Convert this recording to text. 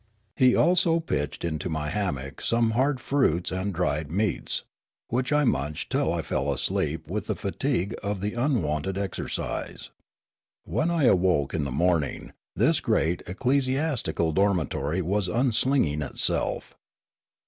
He also pitched into my hanmiock some hard fruits and dried meats, w^hich I munched till I fell asleep with the fatigue of the unwonted exercise. When I awoke in the morning this great ecclesiastical dormitory was unslinging itself.